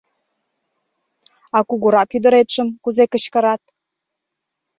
— А кугурак ӱдыретшым кузе кычкырат?